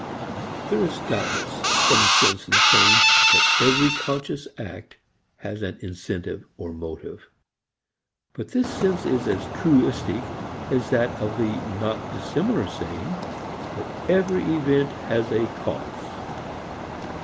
There is doubtless some sense in saying that every conscious act has an incentive or motive. But this sense is as truistic as that of the not dissimilar saying that every event has a cause.